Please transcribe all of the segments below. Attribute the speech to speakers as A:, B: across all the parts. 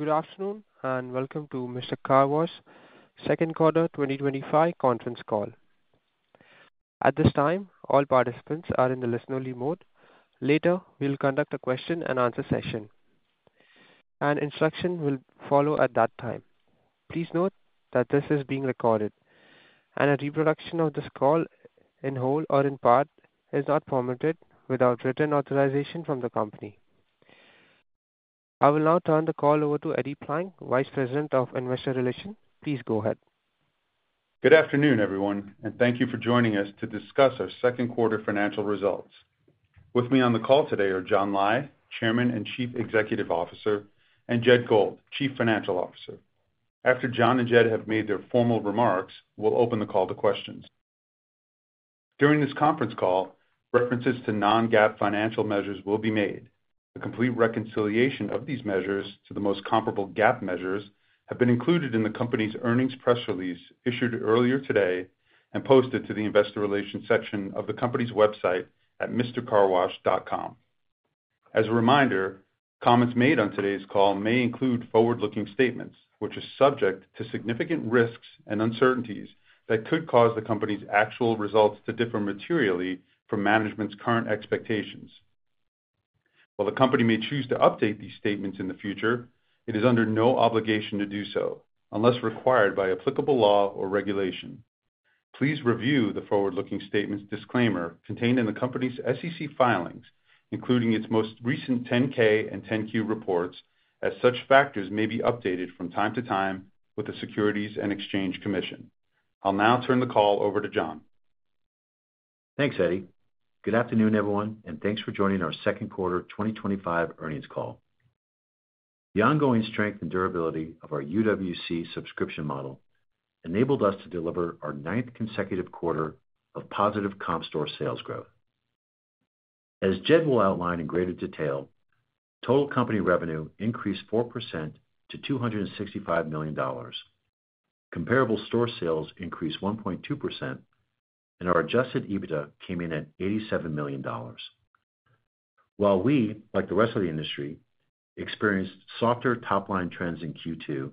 A: Good afternoon and welcome to Mister Car Wash Second Quarter 2025 Conference Call. At this time all participants are in the listen-only mode. Later we will conduct a question and answer session and instructions will follow at that time. Please note that this is being recorded and a reproduction of this call in whole or in part is not permitted without written authorization from the Company. I will now turn the call over to Eddie Plank, Vice President of Investor Relations. Please go ahead.
B: Good afternoon everyone and thank you for joining us to discuss our second quarter financial results. With me on the call today are John Lai, Chairman and Chief Executive Officer, and Jedidiah Gold, Chief Financial Officer. After John and Jedidiah have made their formal remarks, we'll open the call to questions. During this conference call, references to non-GAAP financial measures will be made. A complete reconciliation of these measures to the most comparable GAAP measures has been included in the company's earnings press release issued earlier today and posted to the Investor Relations section of the company's website at mrcarwash.com. As a reminder, comments made on today's call may include forward-looking statements which are subject to significant risks and uncertainties that could cause the company's actual results to differ materially from management's current expectations. While the company may choose to update these statements in the future, it is under no obligation to do so unless required by applicable law or regulation. Please review the forward-looking statements disclaimer contained in the company's SEC filings, including its most recent 10-K and 10-Q reports, as such factors may be updated from time to time with the Securities and Exchange Commission. I'll now turn the call over to John.
C: Thanks, Eddie. Good afternoon, everyone, and thanks for joining our second quarter 2025 earnings call. The ongoing strength and durability of our UWC subscription model enabled us to deliver our ninth consecutive quarter of positive comparable store sales growth. As Jed will outline in greater detail, total company revenue increased 4% to $265 million. Comparable store sales increased 1.2%, and our adjusted EBITDA came in at $87 million. While we, like the rest of the industry, experienced softer top line trends in Q2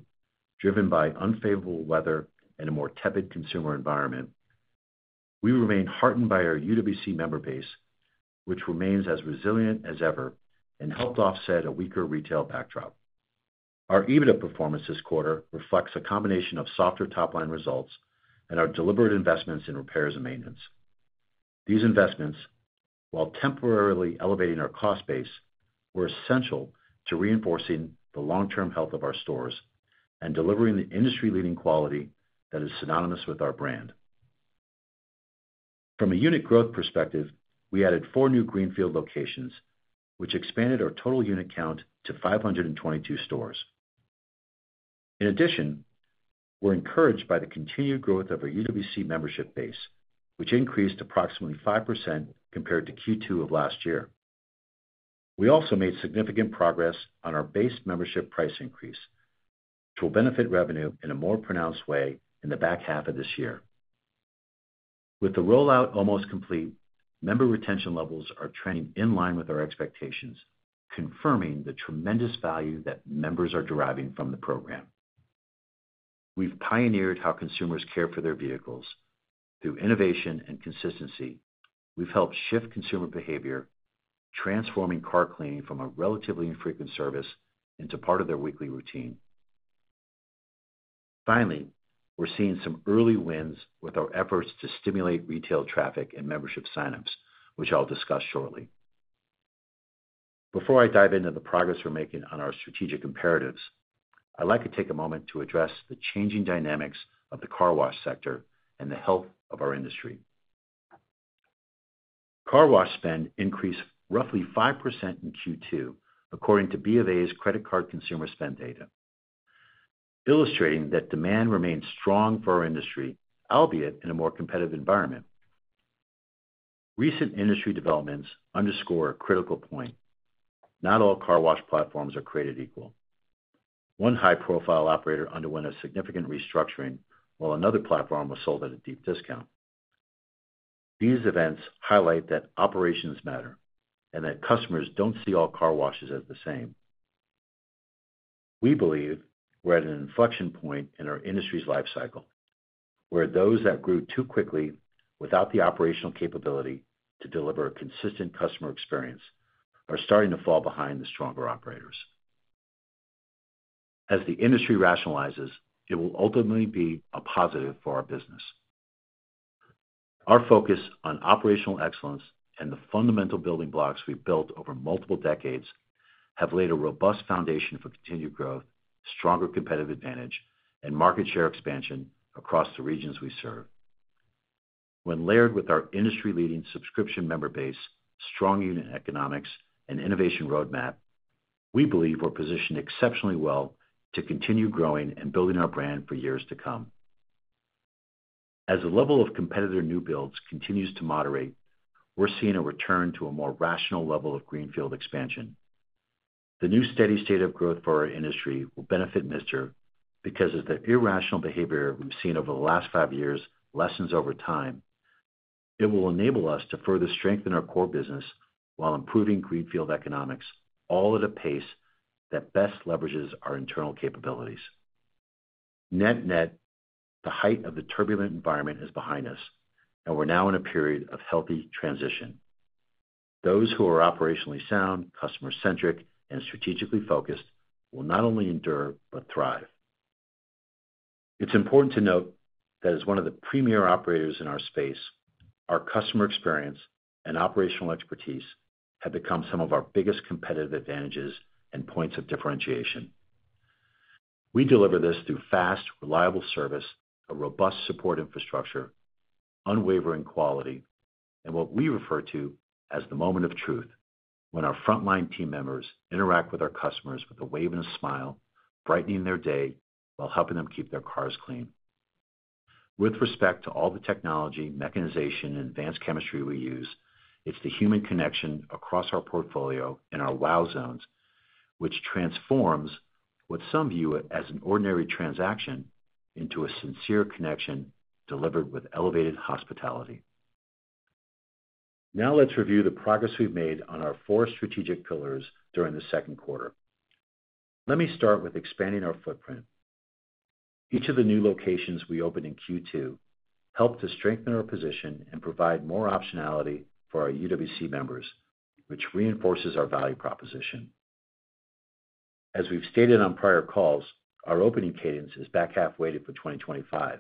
C: driven by unfavorable weather and a more tepid consumer environment, we remain heartened by our UWC member Base, which remains as resilient as ever and helped offset a weaker retail backdrop. Our EBITDA performance this quarter reflects a combination of softer top line results and our deliberate investments in repairs and maintenance. These investments, while temporarily elevating our cost base, were essential to reinforcing the long-term health of our stores and delivering the industry-leading quality that is synonymous with our brand. From a unit growth perspective, we added four new greenfield locations, which expanded our total unit count to 522 stores. In addition, we're encouraged by the continued growth of our UWC membership Base, which increased approximately 5% compared to Q2 of last year. We also made significant progress of our Base membership price increase, which will benefit revenue in a more pronounced way in the back half of this year. With the rollout almost complete, member retention levels are trending in line with our expectations, confirming the tremendous value that members are deriving from the program. We've pioneered how consumers care for their vehicles through innovation and consistency. We've helped shift consumer behavior, transforming car cleaning from a relatively infrequent service into part of their weekly routine. Finally, we're seeing some early wins with our efforts to stimulate retail traffic and membership signups, which I'll discuss shortly. Before I dive into the progress we're making on our strategic imperatives, I'd like to take a moment to address the changing dynamics of the car wash sector and the health of our industry. Car wash spend increased roughly 5% in Q2 according to BoA's credit card consumer spend data, illustrating that demand remains strong for our industry, albeit in a more competitive environment. Recent industry developments underscore a critical point. Not all car wash platforms are created equal. One high profile operator underwent a significant restructuring, while another platform was sold at a deep discount. These events highlight that operations matter and that customers don't see all car washes as the same. We believe we're at an inflection point in our industry's life cycle where those that grew too quickly without the operational capability to deliver a consistent customer experience are starting to fall behind the stronger operators. As the industry rationalizes, it will ultimately be a positive for our business. Our focus on operational excellence and the fundamental building blocks we've built over multiple decades have laid a robust foundation for continued growth, stronger competitive advantage, and market share expansion across the regions we serve. When layered with our industry leading subscription member Base, strong unit economics, and innovation roadmap, we believe we're positioned exceptionally well to continue growing and building our brand for years to come. As the level of competitor new builds continues to moderate, we're seeing a return to a more rational level of greenfield expansion. The new steady state of growth for our industry will benefit Mister because as the irrational behavior we've seen over the last five years lessens over time, it will enable us to further strengthen our core business while improving greenfield economics, all at a pace that best leverages our internal capabilities. Net net, the height of the turbulent environment is behind us and we're now in a period of healthy transition. Those who are operationally sound, customer centric, and strategically focused will not only endure, but thrive. It's important to note that as one of the premier operators in our space, our customer experience and operational expertise have become some of our biggest competitive advantages and points of differentiation. We deliver this through fast, reliable service, a robust support infrastructure, unwavering quality, and what we refer to as the moment of truth when our frontline team members interact with our customers with a wave and a smile, brightening their day while helping them keep their cars clean. With respect to all the technology, mechanization, and advanced chemistry we use, it's the human connection across our portfolio in our WOW zones which transforms what some view as an ordinary transaction into a sincere connection delivered with elevated hospitality. Now let's review the progress we've made on our four strategic pillars during the second quarter. Let me start with expanding our footprint. Each of the new locations we opened in Q2 helped to strengthen our position and provide more optionality for our UWC members, which reinforces our value proposition. As we've stated on prior calls, our opening cadence is back half weighted for 2025.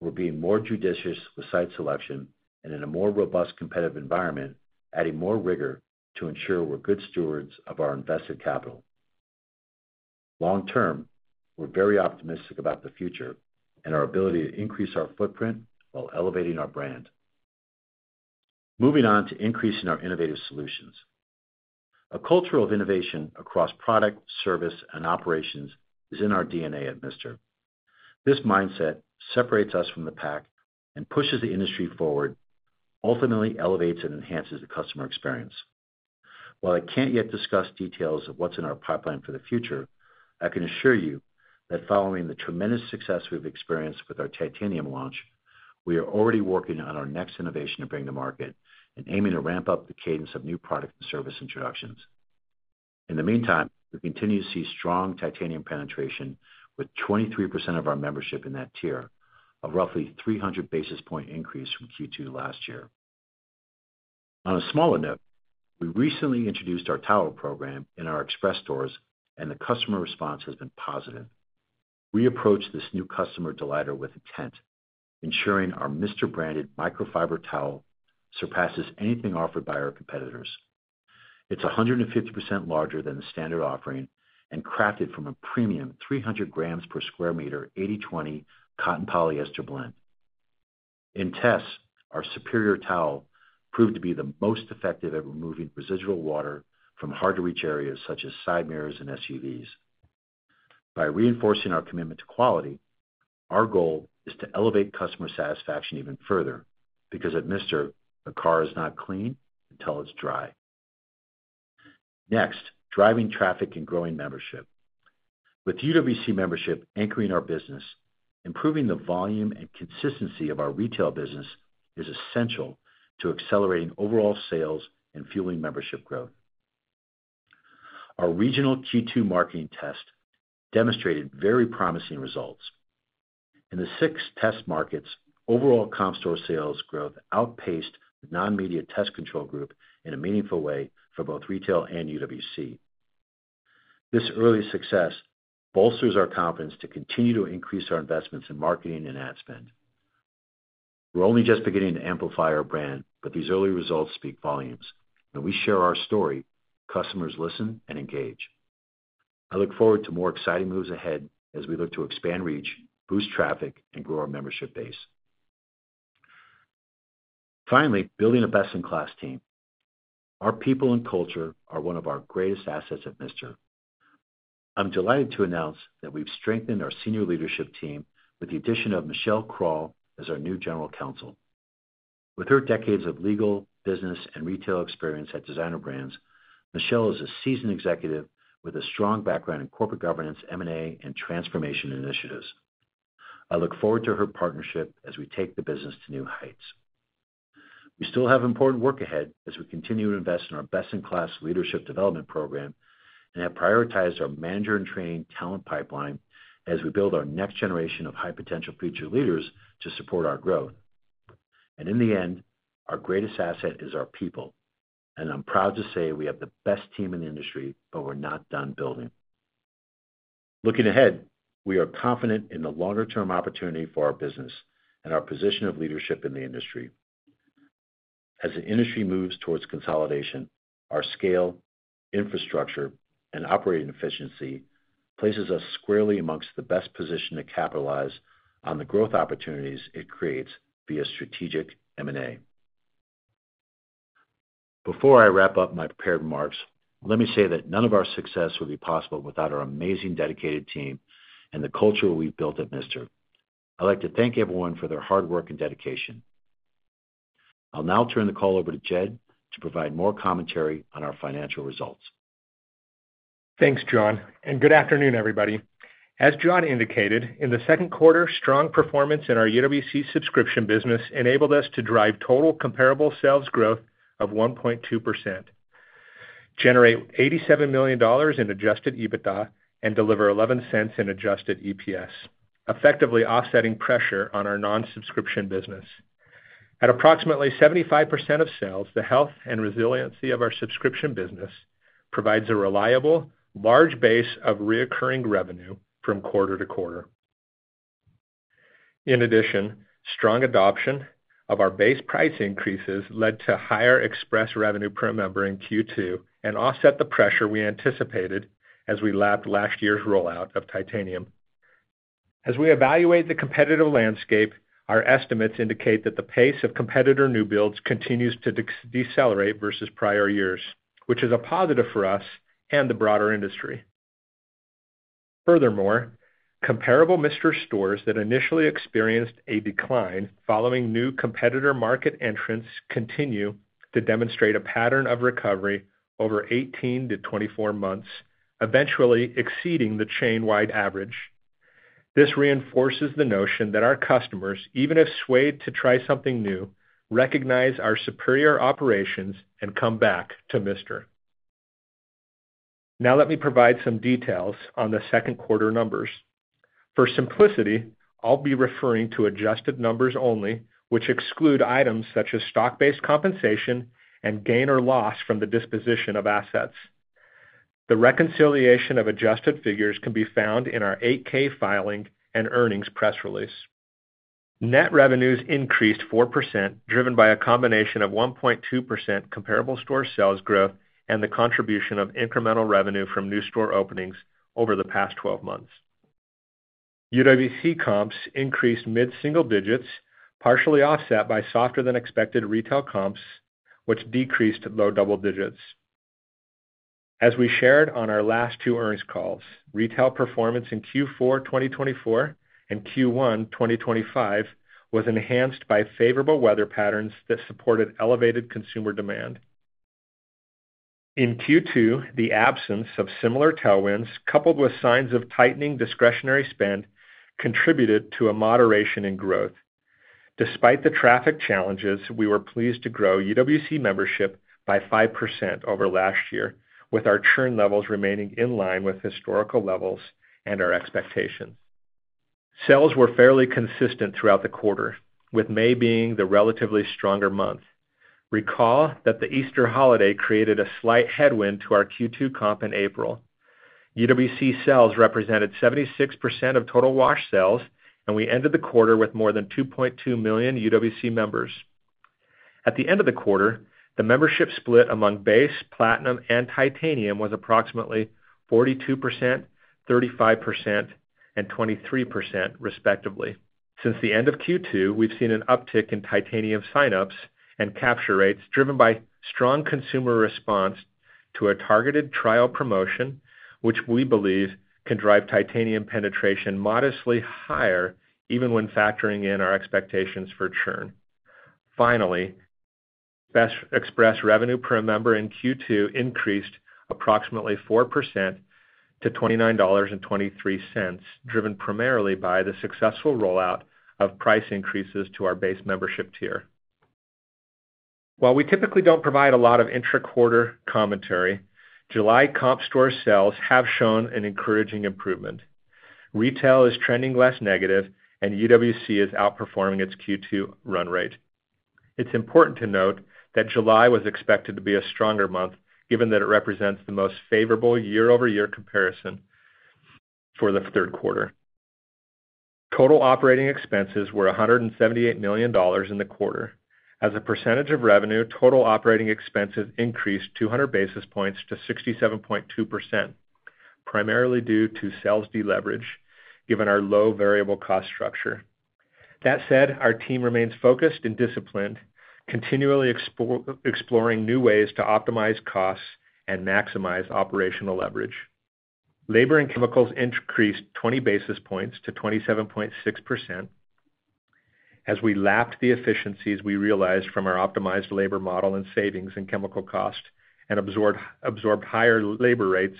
C: We're being more judicious with site selection and in a more robust competitive environment, adding more rigor to ensure we're good stewards of our invested capital long term. We're very optimistic about the future and our ability to increase our footprint while elevating our brand. Moving on to increasing our innovative solutions. A culture of innovation across product, service, and operations is in our DNA. At Mister, this mindset separates us from the pack and pushes the industry forward, ultimately elevates and enhances the customer experience. While I can't yet discuss details of what's in our pipeline for the future, I can assure you that following the tremendous success we've experienced with our Titanium launch, we are already working on our next innovation to bring to market and aiming to ramp up the cadence of new product and service introductions. In the meantime, we continue to see strong Titanium penetration with 23% of our membership in that tier, a roughly 300 basis point increase from Q2 last year. On a smaller note, we recently introduced our Premium towel program in our Express stores and the customer response has been positive. We approach this new customer delighter with intent, ensuring our Mister branded microfiber towel surpasses anything offered by our competitors. It's 150% larger than the standard offering and crafted from a premium 300 grams per square meter 80/20 cotton polyester blend. In tests, our superior towel proved to be the most effective at removing residual water from hard to reach areas such as side mirrors and SUVs. By reinforcing our commitment to quality, our goal is to elevate customer satisfaction even further because at Mister, the car is not clean until it's dry. Next, driving traffic and growing membership. With UWC membership anchoring our business, improving the volume and consistency of our retail business is essential to accelerating overall sales and fueling membership growth. Our regional Q2 marketing test demonstrated very promising results in the six test markets. Overall comparable store sales growth outpaced the non-media test control group in a meaningful way for both retail and UWC. This early success bolsters our confidence to continue to increase our investments in marketing and ad spend. We're only just beginning to amplify our brand, but these early results speak volumes and we share our story. Customers listen and engage. I look forward to more exciting moves ahead as we look to expand, reach, boost traffic, and grow our membership Base. Finally, building a best-in-class team, our people and culture are one of our greatest assets at Mister. I'm delighted to announce that we've strengthened our senior leadership team with the addition of Michelle Krall as our new General Counsel. With her decades of legal, business, and retail experience at Designer Brands, Michelle is a seasoned executive with a strong background in corporate governance, M&A, and transformation initiatives. I look forward to her partnership as we take the business to new heights. We still have important work ahead as we continue to invest in our best-in-class leadership development program and have prioritized our manager and trained talent pipeline as we build our next generation of high-potential future leaders to support our growth. In the end, our greatest asset is our people and I'm proud to say we have the best team in the industry. We're not done building. Looking ahead, we are confident in the longer-term opportunity for our business and our position of leadership in the industry. As the industry moves towards consolidation, our scale, infrastructure, and operating efficiency place us squarely amongst the best positioned to capitalize on the growth opportunities it creates via strategic material. Before I wrap up my prepared remarks, let me say that none of our success would be possible without our amazing dedicated team and the culture we've built at Mister. I'd like to thank everyone for their hard work and dedication. I'll now turn the call over to Jed to provide more commentary on our financial results.
A: Thanks John and good afternoon everybody. As John indicated, in the second quarter, strong performance in our UWC subscription business enabled us to drive total comparable sales growth of 1.2%, generate $87 million in adjusted EBITDA, and deliver $0.11 in adjusted EPS, effectively offsetting pressure on our non-subscription business at approximately 75% of sales. The health and resiliency of our subscription business provides a reliable large base of recurring revenue from quarter to quarter. In addition, strong adoption of our Base price increases led to higher express revenue per member in Q2 and offset the pressure we anticipated as we lapped last year's rollout of Titanium. As we evaluate the competitive landscape, our estimates indicate that the pace of competitor new builds continues to decelerate versus prior years, which is a positive for us and the broader industry. Furthermore, comparable Mister stores that initially experienced a decline following new competitor market entrants continue to demonstrate a pattern of recovery over 18 to 24 months, eventually exceeding the chain-wide average. This reinforces the notion that our customers, even if swayed to try something new, recognize our superior operations and come back to Mister. Now let me provide some details on the second quarter numbers. For simplicity, I'll be referring to adjusted numbers only, which exclude items such as stock-based compensation and gain or loss from the disposition of assets. The reconciliation of adjusted figures can be found in our 8-K filing and earnings press release. Net revenues increased 4%, driven by a combination of 1.2% comparable store sales growth and the contribution of incremental revenue from new store openings over the past 12 months. UWC comps increased mid-single digits, partially offset by softer than expected retail comps, which decreased low double digits as we shared on our last two earnings calls. Retail performance in Q4 2024 and Q1 2025 was enhanced by favorable weather patterns that supported elevated consumer demand. In Q2, the absence of similar tailwinds coupled with signs of tightening discretionary spend contributed to a moderation in growth. Despite the traffic challenges, we were pleased to grow UWC membership by 5% over last year with our churn levels remaining in line with historical levels and our expectation. Sales were fairly consistent throughout the quarter with May being the relatively stronger month. Recall that the Easter holiday created a slight headwind to our Q2 comp. In April, UWC sales represented 76% of total wash sales and we ended the quarter with more than 2.2 million UWC members. At the end of the quarter, the membership split among Base, Platinum, and Titanium was approximately 42%, 35%, and 23% respectively. Since the end of Q2, we've seen an uptick in Titanium signups and capture rates driven by strong consumer response to a targeted trial promotion, which we believe can driveitanium penetration modestly higher even when factoring in our expectations for churn. Finally, Best Express revenue per member in Q2 increased approximately 4% to $29.23, driven primarily by the successful rollout of price increases to our Base membership tier. While we typically don't provide a lot of intra-quarter commentary, July comp store sales have shown an encouraging improvement. Retail is trending less negative and UWC is outperforming its Q2 run rate. It's important to note that July was expected to be a stronger month given that it represents the most favorable year-over-year comparison for the third quarter. Total operating expenses were $178 million in the quarter. As a percentage of revenue, total operating expenses increased 200 basis points to 67.2% primarily due to sales deleverage given our low variable cost structure. That said, our team remains focused and disciplined, continually exploring new ways to optimize costs and maximize operational leverage. Labor and chemicals increased 20 basis points to 27.6% as we lapped the efficiencies we realized from our optimized labor model and savings in chemical cost and absorbed higher labor rates.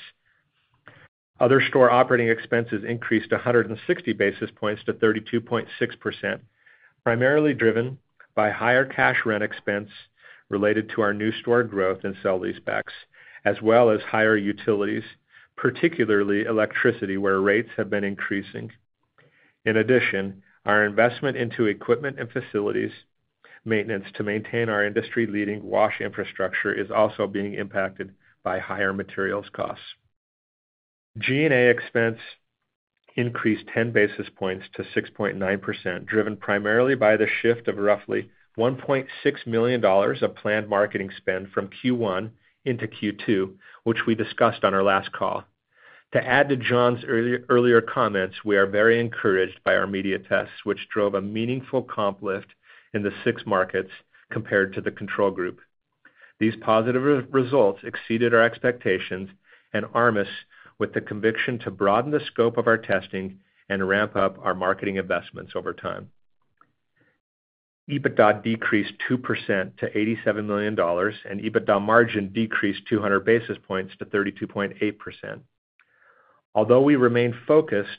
A: Other store operating expenses increased 160 basis points to 32.6% primarily driven by higher cash rent expense related to our new store growth and sale leasebacks as well as higher utilities, particularly electricity where rates have been increasing. In addition, our investment into equipment and facilities maintenance to maintain our industry-leading wash infrastructure is also being impacted by higher materials costs. G&A expense increased 10 basis points to 6.9% driven primarily by the shift of roughly $1.6 million of planned marketing spend from Q1 into Q2, which we discussed on our last call. To add to John's earlier comments, we are very encouraged by our media tests which drove a meaningful comp lift in the six markets compared to the control group. These positive results exceeded our expectations and arm us with the conviction to broaden the scope of our testing and ramp up our marketing investments over time. Adjusted EBITDA decreased 2% to $87 million and adjusted EBITDA margin decreased 200 basis points to 32.8%. Although we remain focused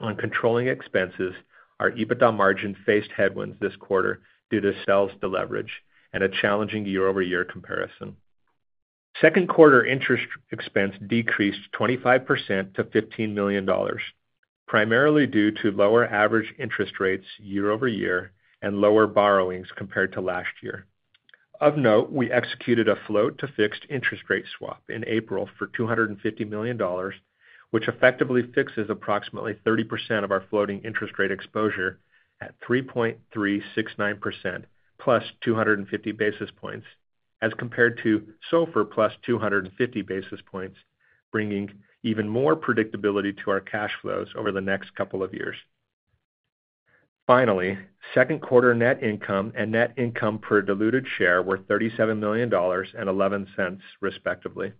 A: on controlling expenses, our adjusted EBITDA margin faced headwinds this quarter due to sales deleverage and a challenging year-over-year comparison. Second quarter interest expense decreased 25% to $15 million, primarily due to lower average interest rates year-over-year and lower borrowings compared to last year. Of note, we executed a float-to-fixed interest rate swap in April for $250 million, which effectively fixes approximately 30% of our floating interest rate exposure at 3.369% + 250 basis points as compared to SOFR + 250 basis points, bringing even more predictability to our cash flows over the next couple of years. Finally, second quarter net income and net income per diluted share were $37 million and $0.11, respectively.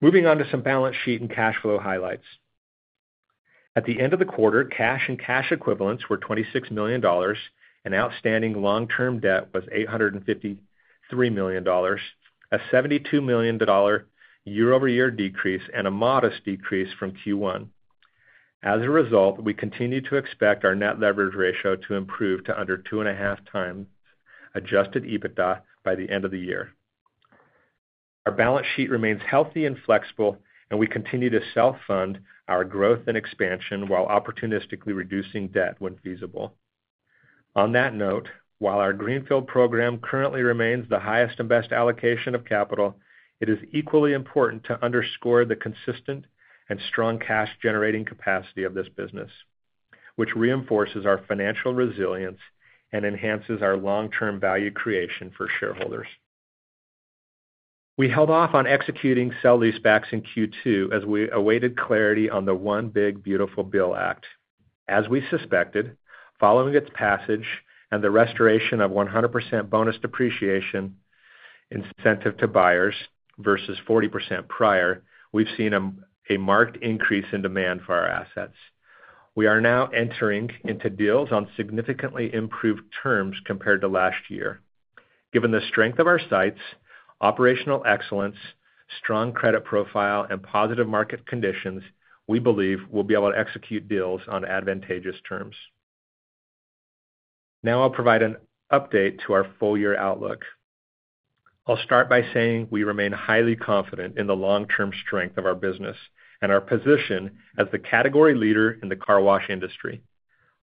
A: Moving on to some balance sheet and cash flow highlights, at the end of the quarter, cash and cash equivalents were $26 million and outstanding long-term debt was $853 million, a $72 million year-over-year decrease and a modest decrease from Q1. As a result, we continue to expect our net leverage ratio to improve to under 2.5x adjusted EBITDA by the end of the year. Our balance sheet remains healthy and flexible, and we continue to self-fund our growth and expansion while opportunistically reducing debt when feasible. On that note, while our greenfield program currently remains the highest and best allocation of capital, it is equally important to underscore the consistent and strong cash-generating capacity of this business, which reinforces our financial resilience and enhances our long-term value creation for shareholders. We held off on executing sale-leasebacks in Q2 as we awaited clarity on the One Big Beautiful Bill Act. As we suspected, following its passage and the restoration of 100% bonus depreciation incentive to buyers versus 40% prior, we've seen a marked increase in demand for our assets. We are now entering into deals on significantly improved terms compared to last year. Given the strength of our sites, operational excellence, strong credit profile, and positive market conditions, we believe we'll be able to execute deals on advantageous terms. Now I'll provide an update to our full year outlook. I'll start by saying we remain highly confident in the long term strength of our business and our position as the category leader in the car wash industry.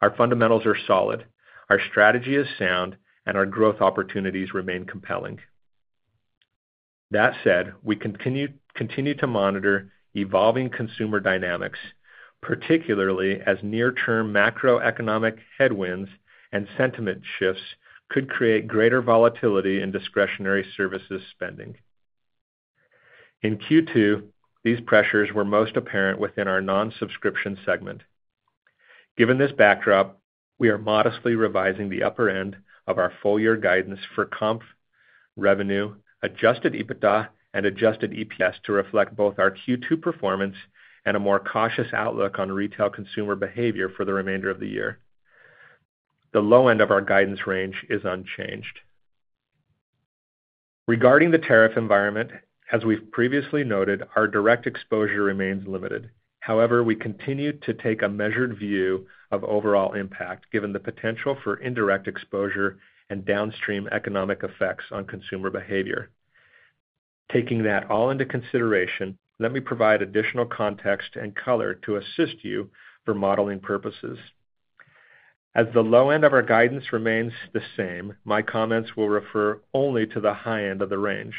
A: Our fundamentals are solid, our strategy is sound, and our growth opportunities remain compelling. That said, we continue to monitor evolving consumer dynamics, particularly as near term macroeconomic headwinds and sentiment shifts could create greater volatility in discretionary services spending. In Q2, these pressures were most apparent within our non-subscription segment. Given this backdrop, we are modestly revising the upper end of our full year guidance for comp revenue, adjusted EBITDA, and adjusted EPS to reflect both our Q2 performance and a more cautious outlook on retail consumer behavior for the remainder of the year. The low end of our guidance range is unchanged. Regarding the tariff environment, as we've previously noted, our direct exposure remains limited. However, we continue to take a measured view of overall impact given the potential for indirect exposure and downstream economic effects on consumer behavior. Taking that all into consideration, let me provide additional context and color to assist you for modeling purposes. As the low end of our guidance remains the same, my comments will refer only to the high end of the range.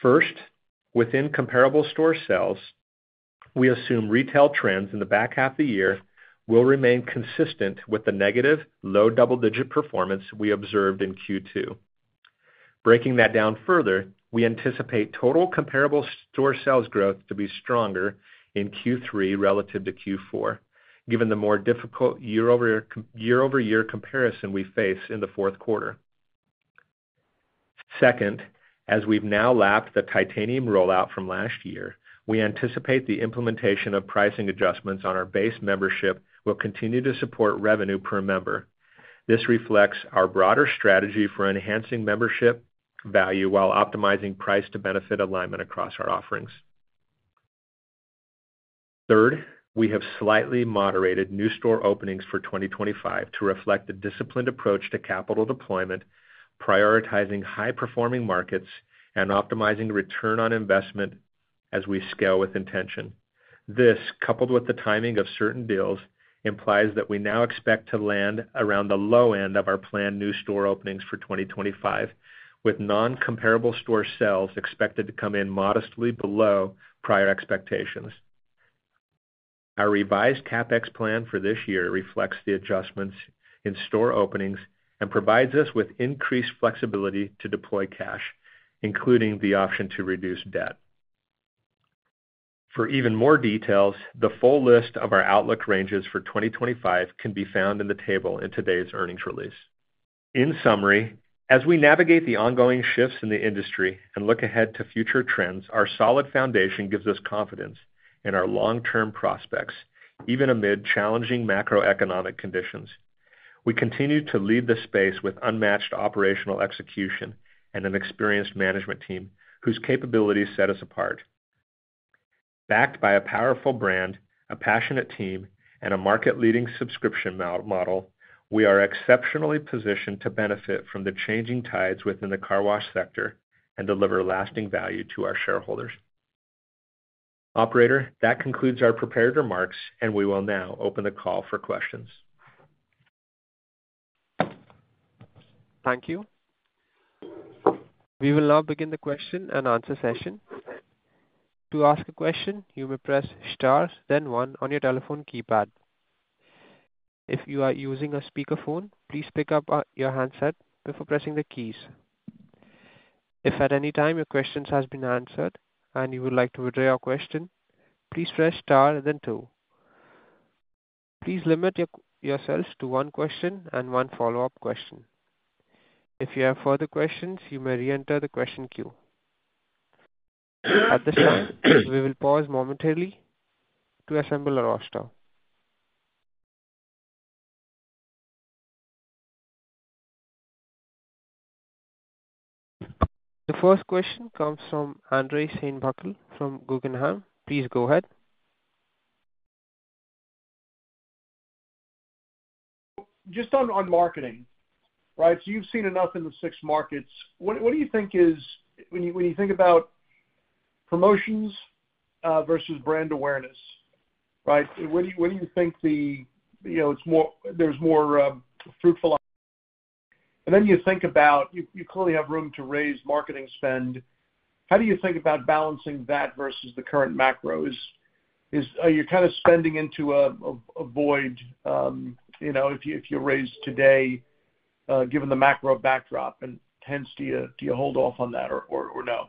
A: First, within comparable store sales, we assume retail trends in the back half of the year will remain consistent with the negative low double digit performance we observed in Q2. Breaking that down further, we anticipate total comparable store sales growth to be stronger in Q3 relative to Q4 given the more difficult year-over-year comparison we face in the fourth quarter. Second, as we've now lapped the Titanium membership tier rollout from last year, we anticipate the implementation of pricing adjustments on our Base membership will continue to support revenue per member. This reflects our broader strategy for enhancing membership value while optimizing price to benefit alignment across our offerings. Third, we have slightly moderated new store openings for 2025 to reflect the disciplined approach to capital deployment, prioritizing high performing markets and optimizing return on investment as we scale with intention. This, coupled with the timing of certain deals, implies that we now expect to land around the low end of our planned new store openings for 2025, with non-comparable store sales expected to come in modestly below prior expectations. Our revised CapEx plan for this year reflects the adjustments in store openings and provides us with increased flexibility to deploy cash, including the option to reduce debt. For even more details, the full list of our outlook ranges for 2025 can be found in the table in today's earnings release. In summary, as we navigate the ongoing shifts in the industry and look ahead to future trends, our solid foundation gives us confidence in our long-term prospects. Even amid challenging macroeconomic conditions, we continue to lead the space with unmatched operational execution and an experienced management team whose capabilities set us apart. Backed by a powerful brand, a passionate team, and a market-leading subscription model, we are exceptionally positioned to benefit from the changing tides within the car wash sector and deliver lasting value to our shareholders. Operator, that concludes our prepared remarks and we will now open the call for questions.
D: Thank you. We will now begin the question and answer session. To ask a question, you may press star then one on your telephone keypad. If you are using a speakerphone, please pick up your handset before pressing the keys. If at any time your question has been answered and you would like to withdraw your question, please press star then two. Please limit yourself to one question and one follow-up question. If you have further questions, you may re-enter the question queue at this time. We will pause momentarily to assemble a roster. The first question comes from Andre Schembri from Guggenheim. Please go ahead. Just on marketing, right? You have seen enough in the six markets. What do you think is, when you think about promotions versus brand awareness, what do you think is more fruitful? You clearly have room to raise marketing spend. How do you think about balancing that versus the current macros? Are you kind of spending into a void if you raise today given the macro backdrop, and hence do you hold off on that or no?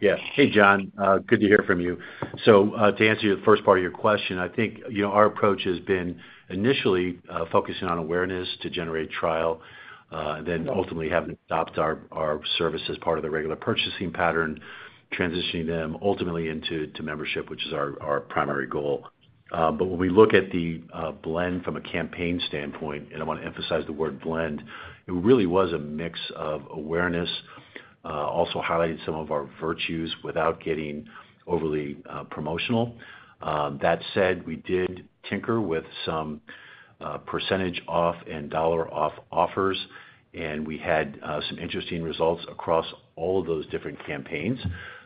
C: Yeah. Hey John, good to hear from you. To answer your first part of your question, I think you know, our approach has been initially focusing on awareness to generate trial, then ultimately having adopt our service as part of the regular purchasing pattern, transitioning them ultimately into membership, which is our primary goal. When we look at the blend from a campaign standpoint, and I want to emphasize the word blend, it really was a mix of awareness. We also highlighted some of our virtues without getting overly promotional. That said, we did tinker with some percetnage off and dollar off offers and we had some interesting results across all of those different campaigns.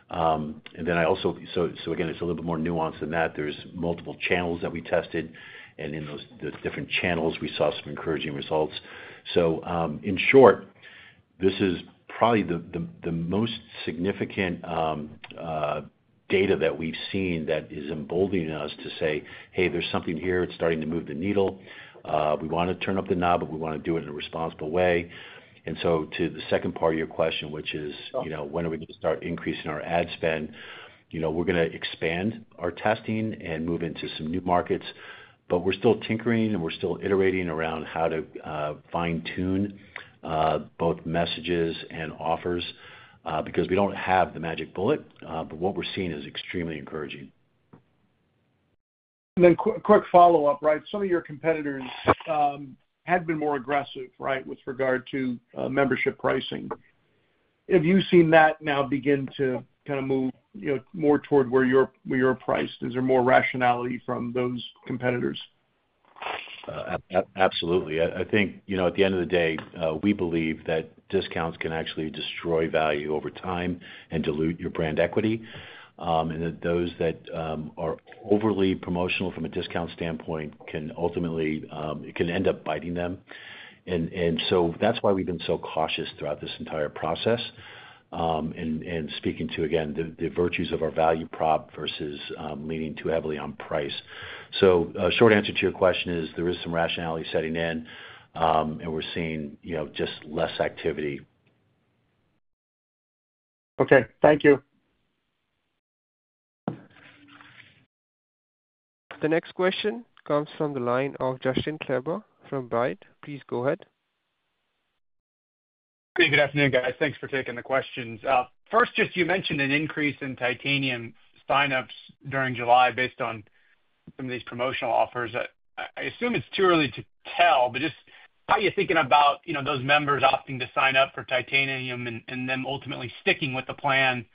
C: It's a little bit more nuanced than that. There are multiple channels that we tested and in those different channels we saw some encouraging results. In short, this is probably the most significant data that we've seen that is emboldening us to say, hey, there's something here, it's starting to move the needle. We want to turn up the knob, but we want to do it in a responsible way. To the second part of your question, which is when are we going to start increasing our ad spend, we're going to expand our testing and move into some new markets. We're still tinkering and we're still iterating around how to fine tune both messages and offers because we don't have the magic bullet. What we're seeing is extremely encouraging. Quick follow up, right. Some of your competitors had been more aggressive, right, with regard to membership pricing. Have you seen that now begin to kind of move more toward where you're priced? Is there more rationality from those competitors? Absolutely. I think at the end of the day we believe that discounts can actually destroy value over time and dilute your brand equity, and that those that are overly promotional from a discount standpoint can ultimately end up biting them. That is why we've been so cautious throughout this entire process and speaking to again the virtues of our value prop versus leaning too heavily on price. Short answer to your question is there is some rationality setting in and we're seeing just less activity. Okay, thank you.
D: The next question comes from the line of Justin Kleber from Baird. Please go ahead.
E: Good afternoon guys. Thanks for taking the questions. First, just you mentioned an increase in Titanium signups during July based on some of these promotional offers. I assume it's too early to tell, but just how you're thinking about, you know, those members opting to sign up for Titanium and then ultimately sticking with the plan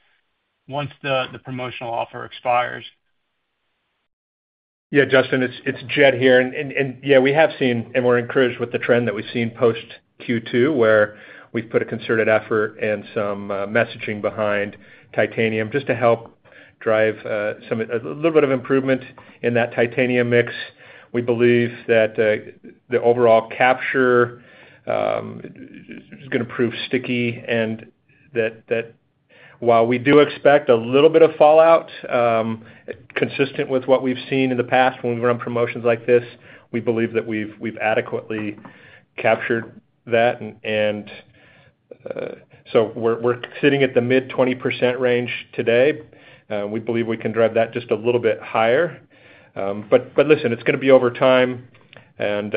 E: once the promotional offer expires.
A: Yeah, Justin, it's Jed here. And yeah, we have seen and we're encouraged with the trend that we've seen post Q2 where we've put a concerted effort and some messaging behind Titanium just to help drive some, a little bit of improvement in that Titanium mix. We believe that the overall capture is going to prove sticky and that while we do expect a little bit of fallout consistent with what we've seen in the past when we run promotions like this, we believe that we've adequately captured that. We're sitting at the mid 20% range today. We believe we can drive that just a little bit higher. It's going to be over time and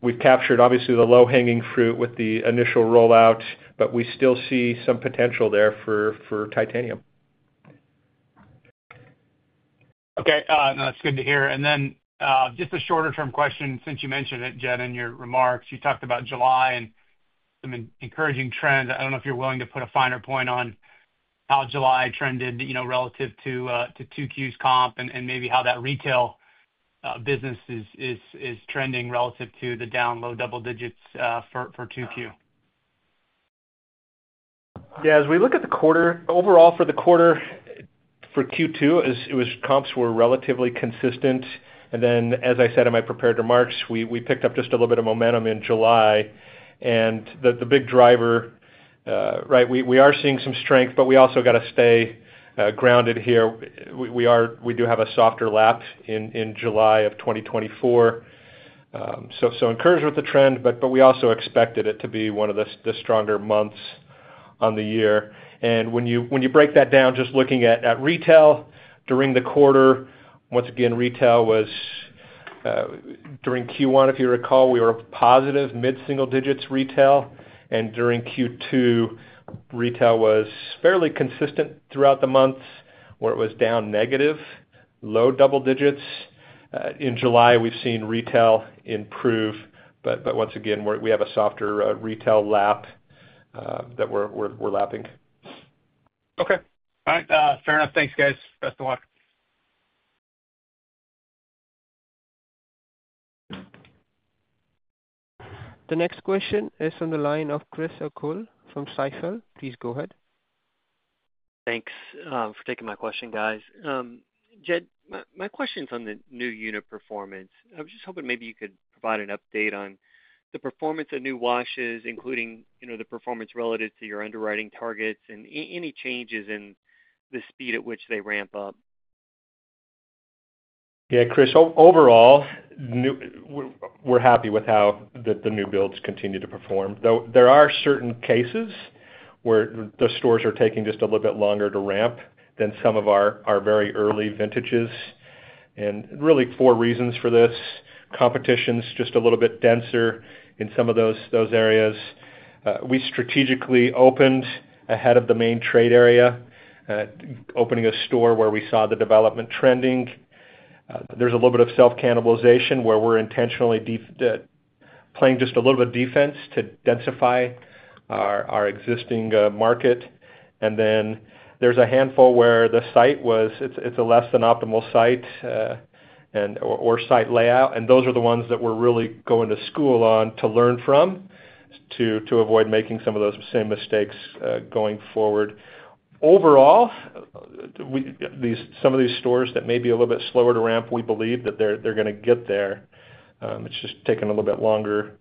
A: we've captured obviously the low hanging fruit with the initial rollout, but we still see some potential there for Titanium.
E: Okay, that's good to hear. And then just a shorter term question, since you mentioned it, Jed, in your remarks you talked about July and encouraging trends. I don't know if you're willing to put a finer point on how July trended relative to Q2's comp and maybe how that retail business is trending relative to the down low double digits for Q2.
A: Yeah, as we look at the quarter overall for the quarter for Q2 comps were relatively consistent. As I said in my prepared remarks, we picked up just a little bit of momentum in July and the big driver, right, we are seeing some strength but we also got to stay grounded here. We do have a softer lap in July of 2024. Encouraged with the trend, but we also expected it to be one of the stronger months on the year. When you break that down, just looking at retail during the quarter, once again, retail was during Q1, if you recall, we were positive mid single digits retail. During Q2, retail was fairly consistent throughout the month where it was down negative low double digits. In July, we've seen retail improve. Once again, we have a softer retail lap that we're lapping.
E: Okay, all right, fair enough. Thanks guys. Best of luck.
D: The next question is on the line of Chris O'cull from Stifel. Please go ahead.
F: Thanks for taking my question, guys. Jed, my question is on the new unit performance. I was just hoping maybe you could provide an update on the performance of new washes, including the performance relative to your underwriting targets and any changes in the speed at which they ramp up.
A: Yeah, Chris, overall, we're happy with how the new builds continue to perform. There are certain cases where the stores are taking just a little bit longer to ramp than some of our very early vintages. There are four reasons for this. Competition is just a little bit denser in some of those areas. We strategically opened ahead of the main trade area, opening a store where we saw the development trending. There's a little bit of self-cannibalization where we're intentionally playing just a little bit of defense to densify our existing market. Then there's a handful where the site was a less than optimal site and or site layout. Those are the ones that we're really going to school on to learn from to avoid making some of those same mistakes going forward. Overall, some of these stores that may be a little bit slower to ramp, we believe that they're going to get there. It's just taking a little bit longer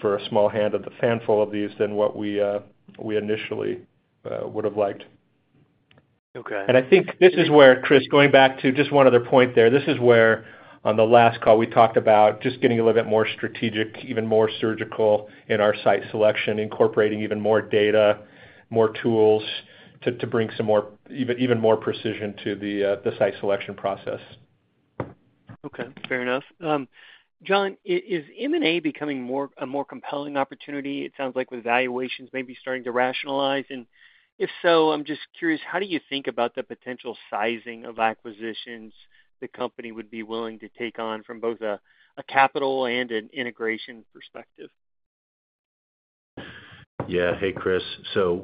A: for a small handful of these than what we initially would have liked. Okay. I think this is where, Chris, going back to just one other point there, this is where on the last call we talked about just getting a little bit more strategic, even more surgical in our site selection, incorporating even more data, more tools to bring even more precision to the site selection process.
F: Okay, fair enough. John, is M&A becoming a more compelling opportunity? It sounds like with valuations maybe starting to rationalize. If so, I'm just curious, how do you think about the potential sizing of acquisitions the company would be willing to take on from both a capital and an integration perspective?
C: Yeah. Hey, Chris.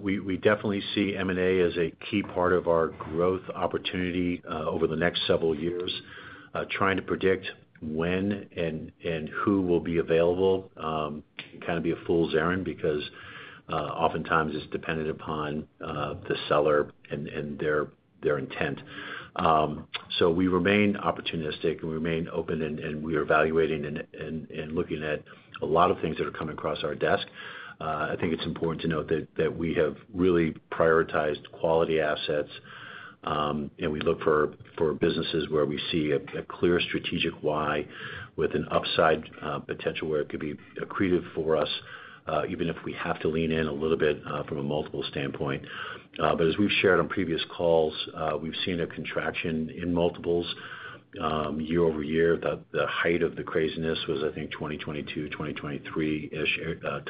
C: We definitely see M&A as a key part of our growth opportunity over the next several years. Trying to predict when and who will be available is kind of a fool's errand because oftentimes it's dependent upon the seller and their intent. We remain opportunistic and remain open, and we are evaluating and looking at a lot of things that are coming across our desk. I think it's important to note that we have really prioritized quality assets, and we look for businesses where we see a clear strategic why with an upside potential, where it could be accretive for us, even if we have to lean in a little bit from a multiple standpoint. As we've shared on previous calls, we've seen a contraction in multiples year over year. The height of the craziness was, I think, 2022, 2023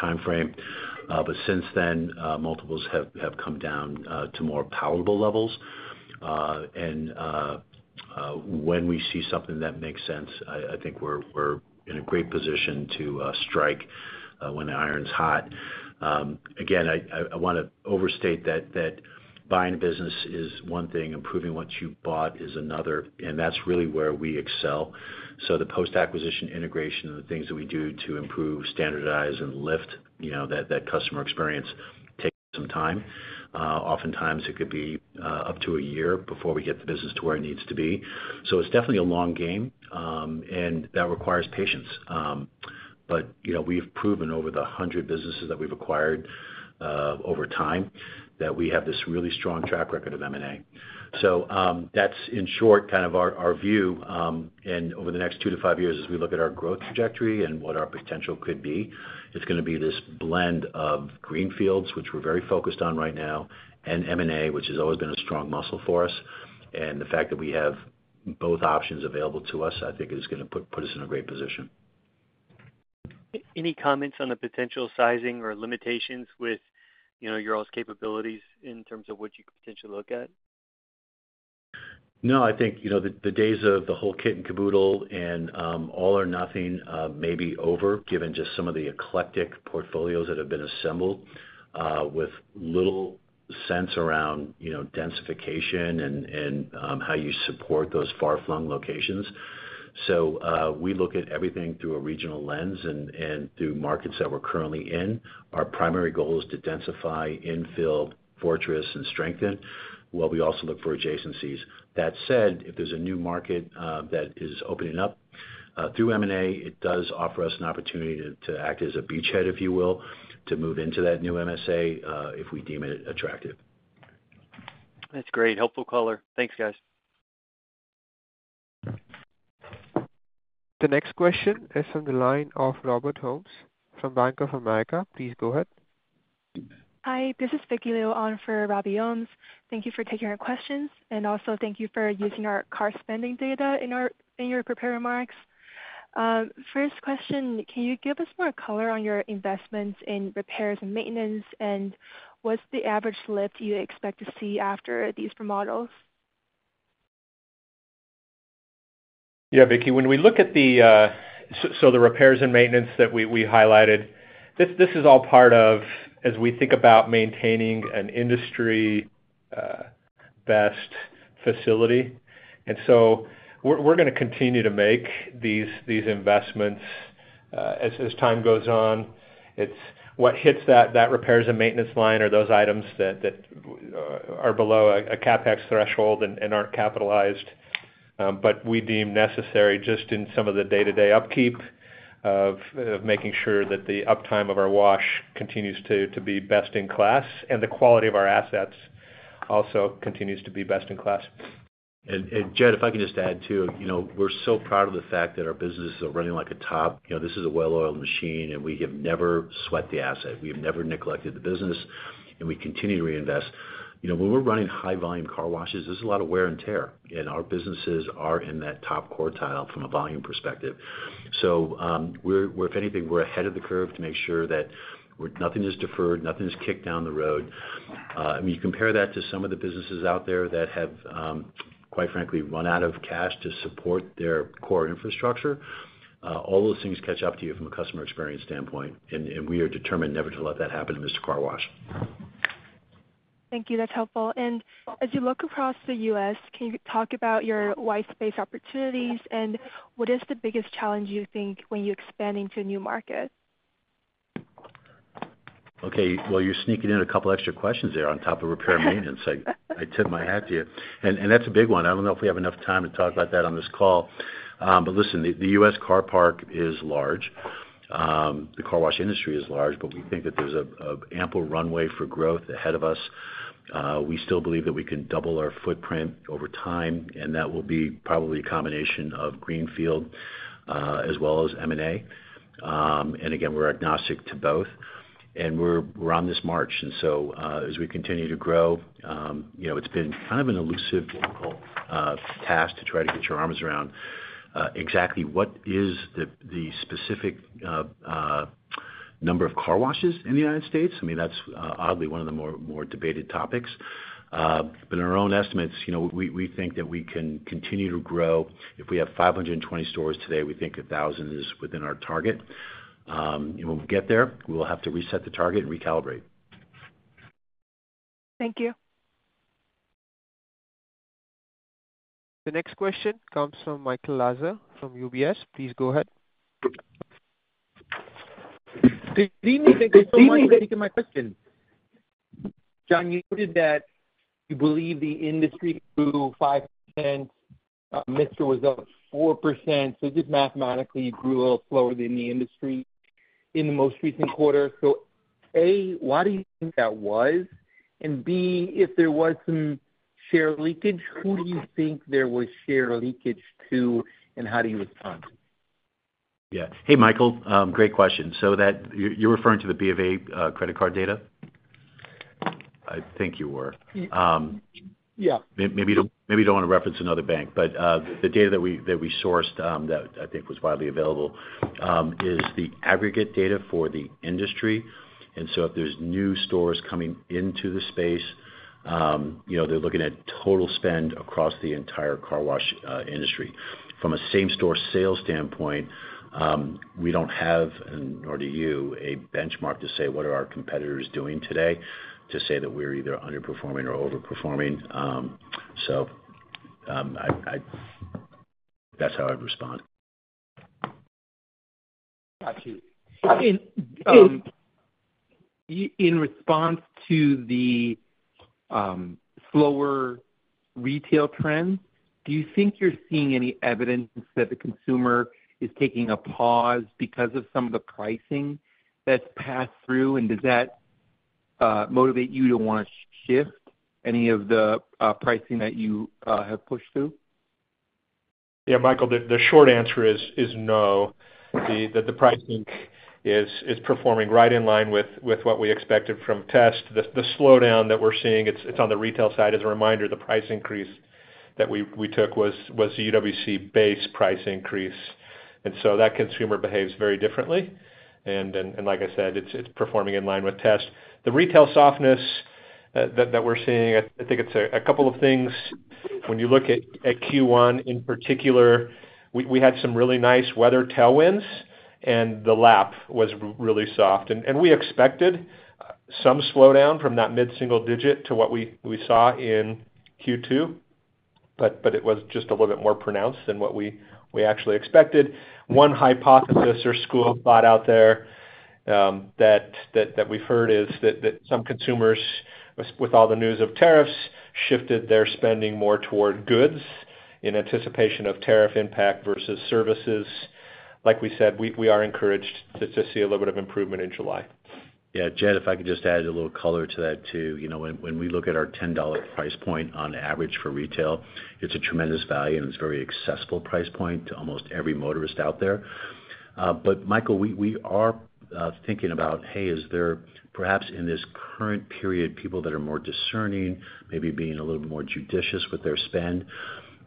C: timeframe. Since then, multiples have come down to more palatable levels. When we see something that makes sense, I think we're in a great position to strike when the iron's hot. I want to overstate that buying business is one thing, improving what you bought is another, and that's really where we excel. Acquisition, integration, and the things that we do to improve, standardize, and lift that customer experience take some time. Oftentimes it could be up to a year before we get the business to where it needs to be. It's definitely a long game and that requires patience. We've proven over the hundred businesses that we've acquired over time that we have this really strong track record of M&A. In short, that's kind of our view. Over the next two to five years, as we look at our growth trajectory and what our potential could be, it's going to be this blend of greenfields, which we're very focused on right now, and M&A, which has always been a strong muscle for us. The fact that we have both options available to us I think is going to put us in a great position.
F: Any comments on the potential sizing or limitations with your all's capabilities in terms of what you could potentially look at?
C: I think the days of the whole kit and caboodle and all or nothing may be over, given just some of the eclectic portfolios that have been assembled with little sense around densification and how you support those far-flung locations. We look at everything through a regional lens and through markets that we're currently in. Our primary goal is to densify, infill, fortress, and strengthen while we also look for adjacencies. That said, if there's a new market that is opening up through M&A, it does offer us an opportunity to act as a beachhead, if you will, to move into that new MSA if we deem it attractive.
F: That's great. Helpful color. Thanks, guys.
D: The next question is on the line of Robert Holmes from Bank of America. Please go ahead.
G: Hi, this is Vicky Liu on for Ravi Ohms. Thank you for taking our questions. Also, thank you for using our car spending data in your prepared remarks. First question, can you give us more color on your investments in repairs? Maintenance, and what's the average lift you? Expect to see after these models?
A: Yeah, Vicki, when we look at the repairs and maintenance that we highlighted, this is all part of as we think about maintaining an industry best facility. We're going to continue to make these investments as time goes on. What hits that repairs and maintenance line are those items that are below a CapEx threshold and aren't capitalized but we deem necessary just in some of the day-to-day upkeep of making sure that the uptime of our wash continues to be best in class and the quality of our assets also continues to be best in class.
C: Jed, if I can just add too, we're so proud of the fact that our businesses are running like a top. This is a well-oiled machine and we have never sweat the asset, we have never neglected the business and we continue to reinvest. When we're running high volume car washes, there's a lot of wear and tear and our businesses are in that top quartile from a volume perspective. If anything, we're ahead of the curve to make sure that nothing is deferred, nothing is kicked down the road. You compare that to some of the businesses out there that have quite frankly run out of cash to support their core infrastructure. All those things catch up to you from a customer experience standpoint and we are determined never to let that happen. Car Wash.
G: Thank you, that's helpful. As you look across the U.S., can you talk about your white space. Opportunities and what is the biggest challenge. You think when you expand into a new market?
C: Okay, you're sneaking in a couple extra questions there on top of repair maintenance. I tip my hat to you. That's a big one. I don't know if we have enough time to talk about that on this call. Listen, the U.S. car park is large. The car wash industry is large, but we think that there's ample runway for growth ahead of us. We still believe that we can double our footprint over time and that will be probably a combination of greenfield as well as M&A. We are agnostic to both and we're on this march. As we continue to grow, it's been kind of an elusive, difficult task to try to get your arms around exactly what is the specific number of car washes in the United States. I mean, that's oddly one of the more debated topics. In our own estimates, we think that we can continue to grow. If we have 520 stores today, we think 1,000 is within our target. When we get there, we will have to reset the target and recalibrate.
G: Thank you.
D: The next question comes from Michael Lasser from UBS. Please go ahead.
H: John, you noted that you believe the industry grew 5%. Mister was up 4%. Just mathematically grew a little slower than the industry in the most recent quarter. A, why do you think that was? B, if there was some share leakage, who do you think there was share leakage to and how do you respond to.
C: Yeah, hey Michael, great question. You're referring to the BoA credit card data. I think you were. Maybe you don't want to reference another bank. The data that we sourced, that I think was widely available, is the aggregate data for the industry. If there are new stores coming into the space, they're looking at total spend across the entire car wash industry. From a comparable store sales standpoint, we don't have, nor do you, a benchmark to say what our competitors are doing today to say that we're either underperforming or overperforming. That's how I respond.
H: Got you in. In response to the slower retail trend, do you think you're seeing any evidence that the consumer is taking a pause because of some of the pricing that's passed through? Does that motivate you to want to shift any of the pricing that you have pushed through?
A: Yeah, Michael, the short answer is no. The pricing is performing right in line with what we expected from test. The slowdown that we're seeing is on the retail side. As a reminder, the price increase that we took was the UWC Base price increase, and so that consumer behaves very differently. Like I said, it's performing in line with test. The retail softness that we're seeing, I think it's a couple of things. When you look at Q1 in particular, we had some really nice weather tailwinds and the lap was really soft. We expected some slowdown from that mid single digit to what we saw in Q2, but it was just a little bit more pronounced than what we actually expected. One hypothesis or school of thought out there that we've heard is that some consumers, with all the news of tariffs, shifted their spending more toward goods in anticipation of tariff impact versus services. Like we said, we are encouraged to see a little bit of improvement in July.
C: Yeah, Jed, if I could just add a little color to that too. When we look at our $10 price point on average for retail, it's tremendous value and it's a very accessible price point to almost every motorist out there. Michael, we are thinking about, hey, is there perhaps in this current period people that are more discerning, maybe being a little more judicious with their spend.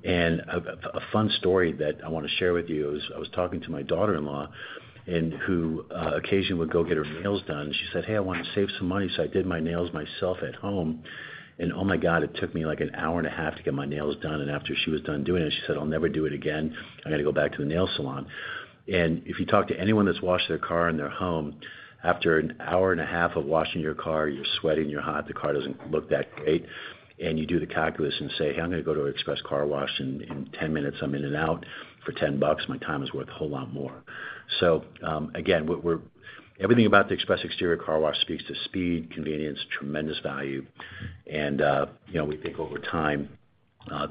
C: A fun story that I want to share with you. I was talking to my daughter-in-law who occasionally would go get her nails done. She said, hey, I want to save some money. I did my nails myself at home and oh my God, it took me like an hour and a half to get my nails done. After she was done doing it, she said, I'll never do it again. I got to go back to the nail salon. If you talk to anyone that's washed their car at their home, after an hour and a half of washing your car, you're sweating, you're hot, the car doesn't look that great. You do the calculus and say, hey, I'm going to go to an express car wash and in 10 minutes I'm in and out for $10. My time is worth a whole lot more. Everything about the express exterior car wash speaks to speed, convenience, tremendous value. We think over time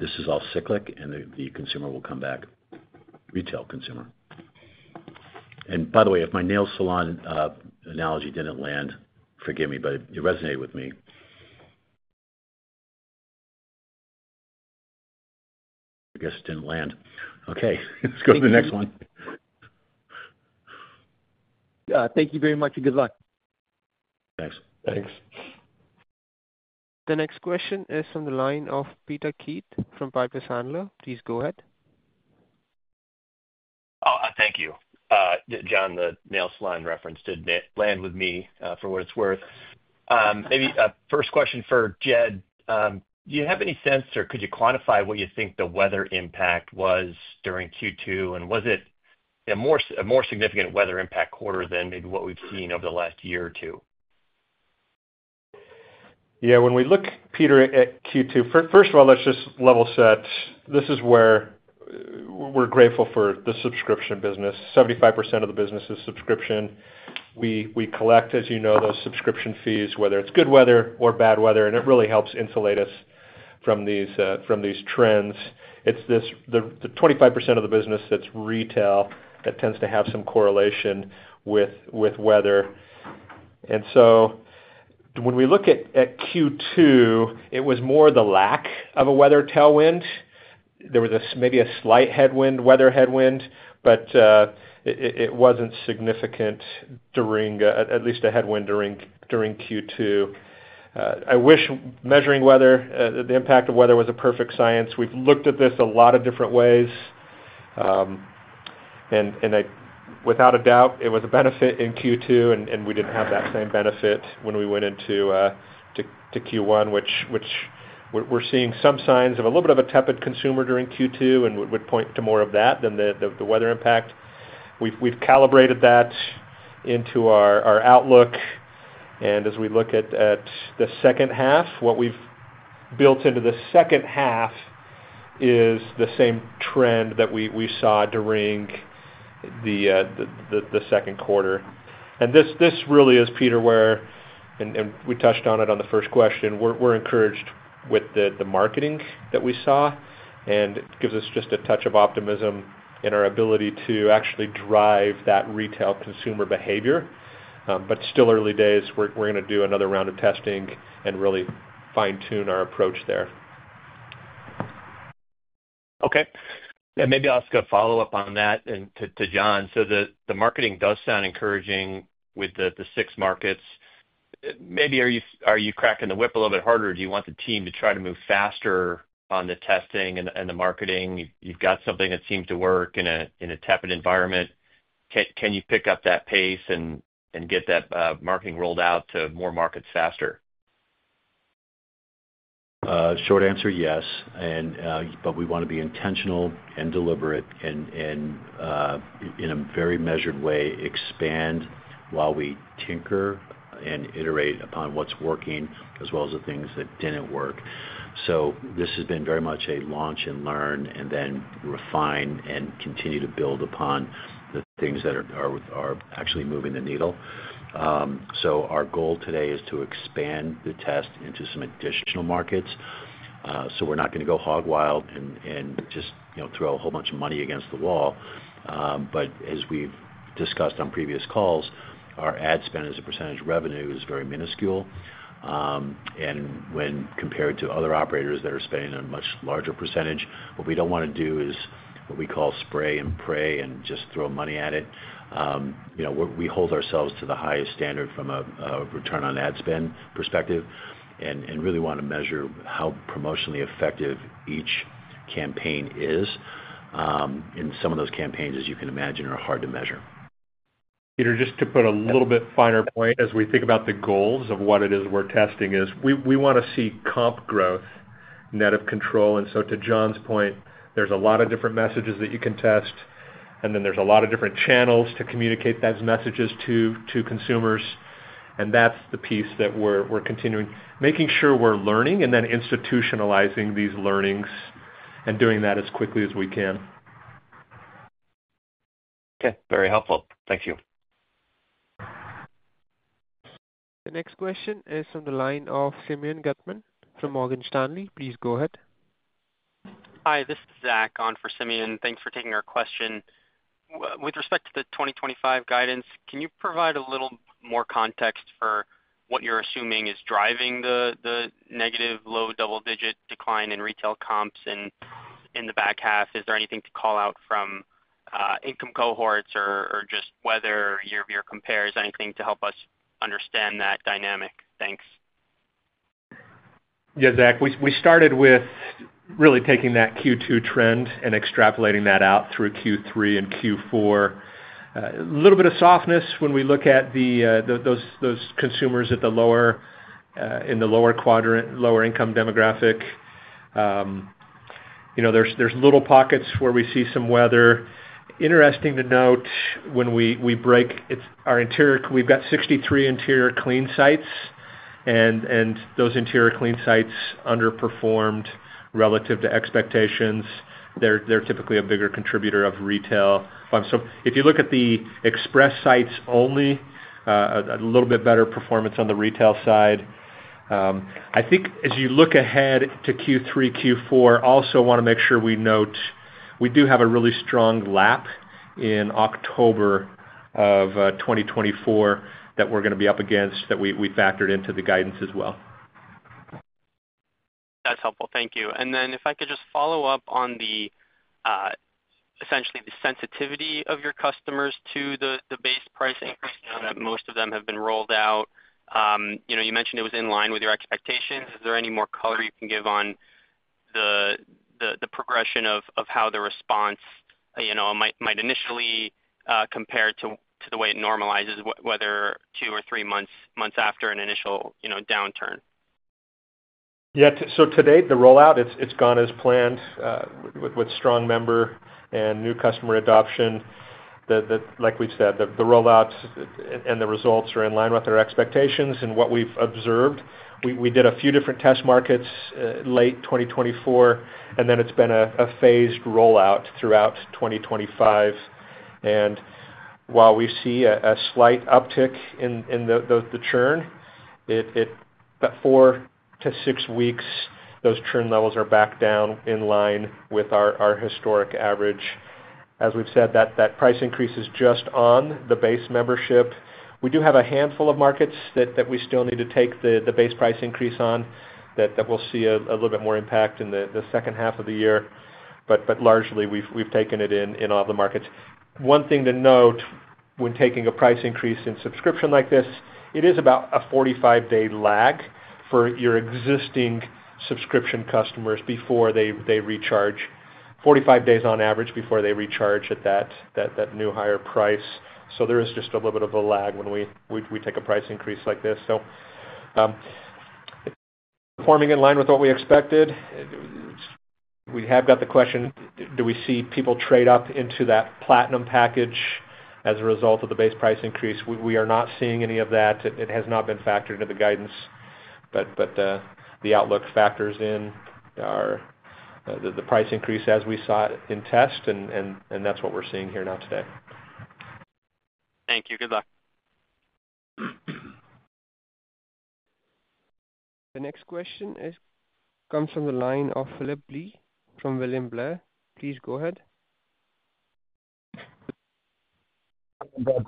C: this is all cyclic and the consumer will come back. Retail consumer. By the way, if my nail salon analogy didn't land, forgive me, but it resonated with me. I guess it didn't land. Okay, let's go to the next one.
H: Thank you very much. Good luck.
C: Thanks. Thanks.
D: The next question is on the line of Peter Keith from Piper Sandler. Please go ahead.
I: Thank you, John. The nail salon reference did land with me for what it's worth. Maybe a first question for Jed. Do you have any sense or could you quantify what you think the weather impact was during Q2 and was it. A more significant weather impact quarter than. Maybe what we've seen over the last year or two.
A: Yeah. When we look, Peter, at Q2, first of all, let's just level set. This is where we're grateful for the subscription business. 75% of the business is subscription. We collect, as you know, those subscription fees, whether it's good weather or bad weather. It really helps insulate us from these trends. It's the 25% of the business that's retail that tends to have some correlation with weather. When we look at Q2, it was more the lack of a weather tailwind. There was maybe a slight headwind, weather headwind, but it wasn't significant during at least a headwind during Q2. I wish measuring weather, the impact of weather, was a perfect science. We've looked at this a lot of different ways and without a doubt it was a benefit in Q2 and we didn't have that same benefit when we went into Q1, which we're seeing some signs of a little bit of a tepid consumer during Q2 and would point to more of that than the weather impact. We've calibrated that into our outlook. As we look at the second half, what we've built into the second half is the same trend that we saw during the second quarter. This really is, Peter, where we touched on it on the first question. We're encouraged with the marketing that we saw and it gives us just a touch of optimism in our ability to actually drive that retail consumer behavior. Still early days. We're going to do another round of testing and really fine tune our approach there.
I: Okay. Maybe I'll ask a follow up on that. To John. The marketing does sound encouraging with the six markets. Maybe are you cracking the whip a little bit harder? Do you want the team to try to move faster on the testing and the marketing? You've got something that seems to work. In a tepid environment. Can you pick up that pace and get that marketing rolled out to more markets faster?
C: Short answer, yes, but we want to be intentional and deliberate and in a very measured way, expand while we tinker and iterate upon what's working as well as the things that didn't work. This has been very much a launch and learn and then refine and continue to build upon the things that are actually moving the needle. Our goal today is to expand the test into some additional markets. We're not going to go hog wild and just throw a whole bunch of money against the wall. As we've discussed on previous calls, our ad spend as a percentage of revenue is very minuscule, and when compared to other operators that are spending a much larger percentage, what we don't want to do is what we call spray and pray and just throw money at it. We hold ourselves to the highest standard from a return on ad spend perspective and really want to measure how promotionally effective each campaign is. In some of those campaigns, as you can imagine, are hard to measure.
A: You know, just to put a little bit finer point as we think about the goals of what it is we're testing, we want to see comp growth net of control. To John's point, there's a lot of different messages that you can test, and then there's a lot of different channels to communicate those messages to consumers. That's the piece that we're continuing, making sure we're learning and then institutionalizing these learnings and doing that as quickly as we can.
I: Okay, very helpful, thank you.
D: The next question is from the line of Simeon Gutman from Morgan Stanley. Please go ahead. Hi, this is [Zach] on for Simeon. Thanks for taking our question. With respect to the 2025 guidance, can you provide a little more context for what you're assuming is driving the negative low double digit decline in retail comps in the back half? Is there anything to call out from income cohorts or just weather year-over-year compares? Anything to help us understand that dynamic?
A: Thanks. Yeah, [Zach], we started with really taking that Q2 trend and extrapolating that out through Q3 and Q4, a little bit of softness when we look at those consumers in the lower quadrant, lower income demographic. There's little pockets where we see some weather. Interesting to note, when we break our interior, we've got 63 interior clean sites, and those interior clean sites underperformed relative to expectations. They're typically a bigger contributor of retail. If you look at the express sites, only a little bit better performance on the retail side. I think as you look ahead to Q3 and Q4, also want to make sure we note we do have a really strong lap in October of 2024 that we're going to be up against, that we factored into the guidance as well. That's helpful. Thank you. If I could just follow up on essentially the sensitivity of your customers to the Base pricing now that most of them have been rolled out. You mentioned it was in line with your expectations. Is there any more color you can give on the progression of how the response might initially compare to the way it normalizes whether two or three months after an initial downturn? Yeah. Today the rollout, it's gone as planned with strong member and new customer adoption. Like we said, the rollouts and the results are in line with our expectations and what we've observed. We did a few different test markets late 2024, and then it's been a phased rollout throughout 2025. While we see a slight uptick in the churn, four to six weeks later those churn levels are back down in line with our historic average. As we've said, that price increase is just on the Base membership. We do have a handful of markets that we still need to take the Base price increase on. We'll see a little bit more impact in the second half of the year, but largely we've taken it in all the markets. One thing to note, when taking a price increase in a subscription like this, it is about a 45-day lag for your existing subscription customers before they recharge. Forty-five days on average before they recharge at that new higher price. There is just a little bit of a lag when we take a price increase like this. Performing in line with what we expected, we have got the question, do we see people trade up into that Platinum membership as a result of the Base price increase? Not seeing any of that. It has not been factored into the guidance. The outlook factors in the price increase as we saw it in test and that's what we're seeing here now today. Thank you. Good luck.
D: The next question comes from the line of Phillip Blee from William Blair. Please go ahead.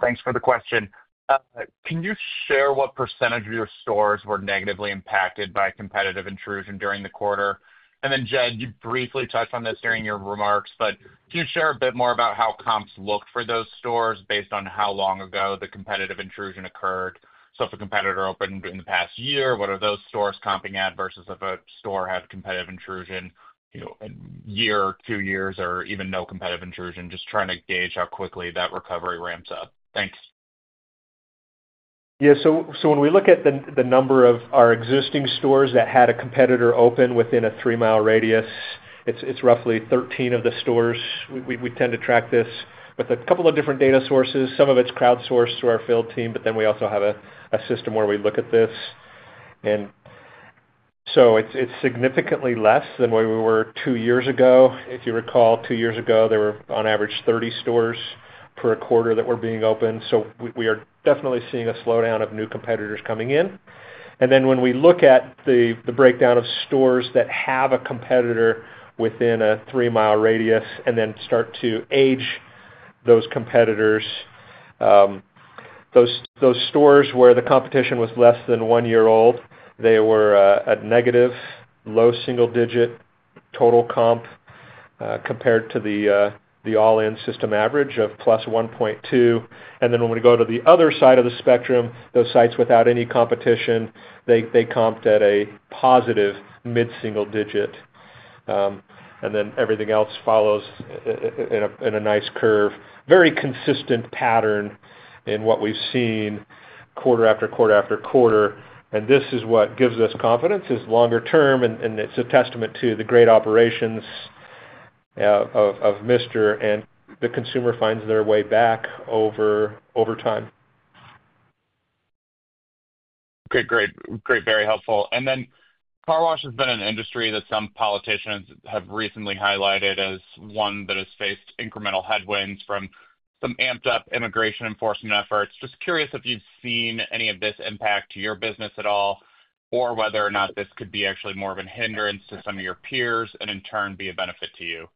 J: Thanks for the question. Can you share what percentage of your stores were negatively impacted by competitive intrusion during the quarter? Jed, you briefly touched on this during your remarks, but can you share a bit more about how comps look for those stores based on how long ago the competitive intrusion occurred? If a competitor opened in the past year, what are those stores comping at versus if a store had competitive intrusion a year, two years, or even no competitive intrusion? Just trying to gauge how quickly that recovery ramps up. Thanks.
A: When we look at the number of our existing stores that had a competitor open within a three mile radius, it's roughly 13 of the stores. We tend to track this with a couple of different data sources. Some of it's crowdsourced through our field team, but then we also have a system where we look at this and so it's significantly less than where we were two years ago. If you recall, two years ago there were on average 30 stores per quarter that were being opened. We are definitely seeing a slowdown of new competitors coming in. When we look at the breakdown of stores that have a competitor within a three mile radius and then start to age those competitors, those stores where the competition was less than one year old, they were at negative low single digit total comp compared to the all in system average of +1.2%. When we go to the other side of the spectrum, those sites without any competition, they comped at a positive mid single digit. Everything else follows in a nice curve. Very consistent pattern in what we've seen quarter after quarter after quarter. This is what gives us confidence longer term and it's a testament to the great operations of Mister and the consumer finds their way back over time.
J: Great. Very helpful. Car wash has been an industry that some politicians have recently highlighted as one that has faced incremental headwinds from some amped up immigration enforcement efforts. Just curious if you've seen any of this impact to your business at all or whether or not this could be actually more of a hindrance to some of your peers and in turn be a benefit to you.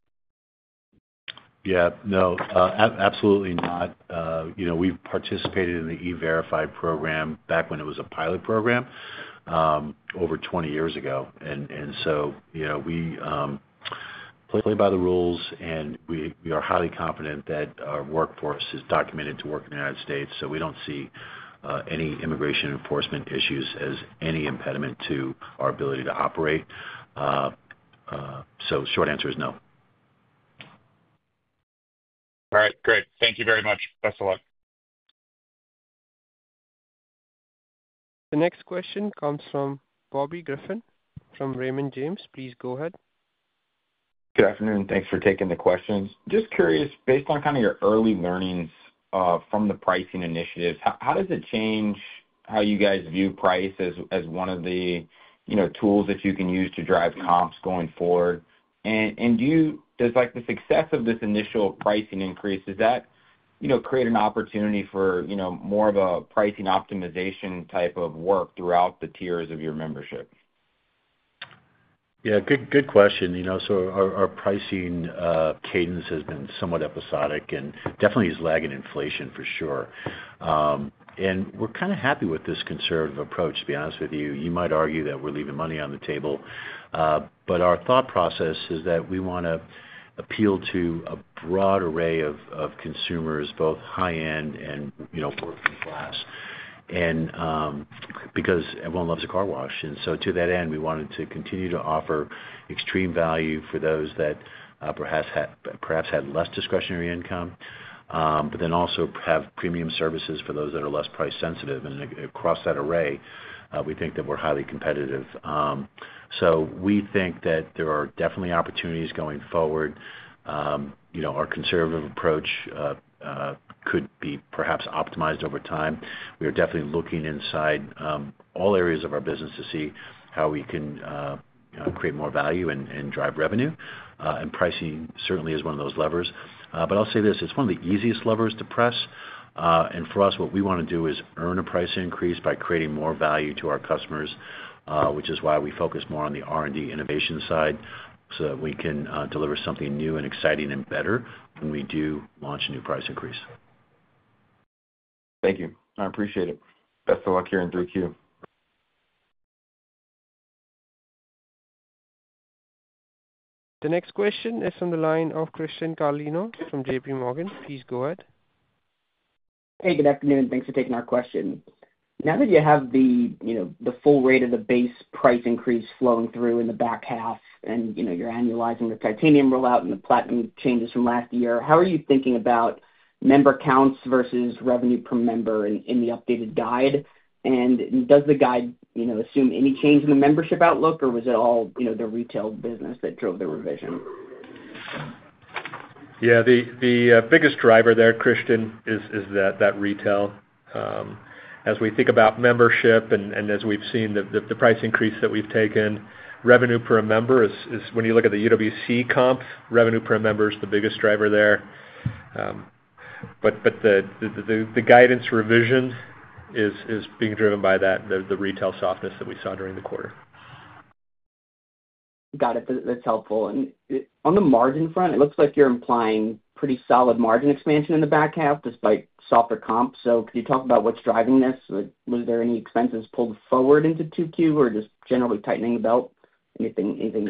C: No, absolutely not. We've participated in the E-Verify program back when it was a pilot program over 20 years ago. We play by the rules, and we are highly confident that our workforce is documented to work in the United States. We don't see any immigration enforcement issues as any impediment to our ability to operate. Short answer is no.
J: All right, great. Thank you very much. That's a lot. The next question comes from Bobby Griffin from Raymond James. Please go ahead. Good afternoon.
K: Thanks for taking the questions. Just curious, based on kind of your early learnings from the pricing initiatives, how does it change how you guys view price as one of the tools? You can use to drive comps going forward? Does the success of this initial pricing increase create an opportunity for more of a pricing optimization type? Of work throughout the tiers of your membership?
C: Yeah, good question. Our pricing cadence has been somewhat episodic and definitely is lagging inflation for sure. We're kind of happy with this conservative approach, to be honest with you. You might argue that we're leaving money on the table, but our thought process is that we want to appeal to a broad array of consumers, both high end and pork and flasks, and because everyone loves a car wash. To that end, we wanted to continue to offer extreme value for those that perhaps had less discretionary income, but then also have premium services for those that are less price sensitive. Across that array, we think that we're highly competitive. We think that there are definitely opportunities going forward. Our conservative approach could be perhaps optimized over time. We are definitely looking inside all areas of our business to see how we can create more value and drive revenue. Pricing certainly is one of those levers. I'll say this, it's one of the easiest levers to press. For us, what we want to do is earn a price increase by creating more value to our customers, which is why we focus more on the R&D innovation side so that we can deliver something new and exciting and better when we do launch a new price increase.
K: Thank you. I appreciate it. Best of luck here in 3Q.
A: The next question is on the line of Christian Carlino from JPMorgan. Please go ahead. Hey, good afternoon.
L: Thanks for taking our question. Now that you have the full rate of the Base price increase flowing through in the back half. You are annualizing the Titanium rollout and the Platinum changes from last year. How are you thinking about member counts versus revenue per member in the updated guide? Does the guide assume any change in the membership outlook or was it? All the retail business that drove the revision?
A: Yeah, the biggest driver there, Christian, is that retail as we think about membership and as we've seen the price increase that we've taken, revenue per member, when you look at the UWC comp, revenue per member is the biggest driver there. The guidance revision is being driven by that, the retail softness that we saw during the quarter.
L: Got it. That's helpful. On the margin front, it looks like you're implying pretty solid margin expansion in the back half despite softer comp. Could you talk about what's driving this? Was there any expenses pulled forward into Q2 or just generally tightening the belt? Anything?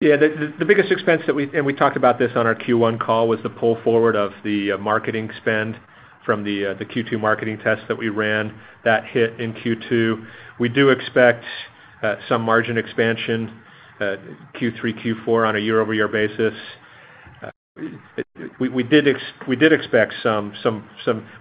A: Yeah. The biggest expense that we, and we talked about this on our Q1 call, was the pull forward of the marketing spend from the Q2 marketing test that we ran that hit in Q2. We do expect some margin expansion, Q3, Q4 on a year-over-year basis. We did expect some.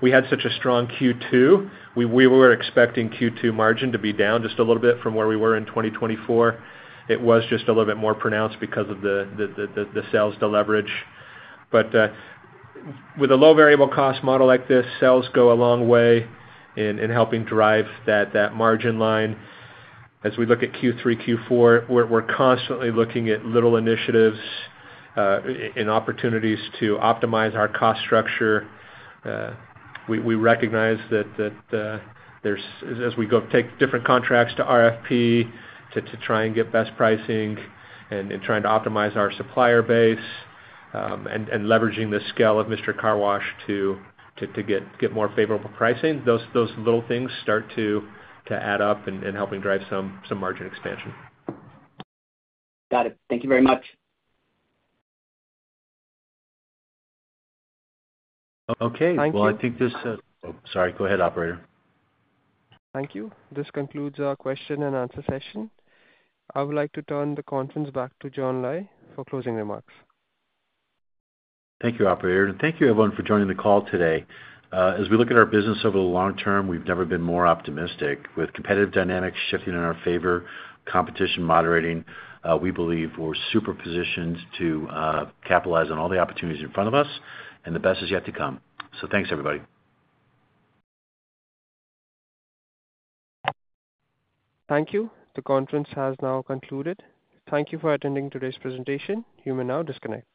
A: We had such a strong Q2, we were expecting Q2 margin to be down just a little bit from where we were in 2024. It was just a little bit more pronounced because of the sales deleverage. With a low variable cost model like this, sales go a long way in helping drive that margin line. As we look at Q3, Q4, we're constantly looking at little initiatives and opportunities to optimize our cost structure. We recognize that as we go take different contracts to RFP to try and get best pricing, trying to optimize our supplier base and leveraging the scale of Mister Car Wash to get more favorable pricing, those little things start to add up and help drive some margin expansion.
L: Got it. Thank you very much.
A: Okay, I think this. Sorry, go ahead, operator.
D: Thank you. This concludes our question and answer session. I would like to turn the conference back to John Lai for closing remarks. Thank you, operator.
C: Thank you everyone for joining the call today. As we look at our business over the long term, we've never been more optimistic. With competitive dynamics shifting in our favor, competition moderating, we believe we're super positioned to capitalize on all the opportunities in front of us. The best is yet to come. Thanks, everybody.
D: Thank you. The conference has now concluded. Thank you for attending today's presentation. You may now disconnect.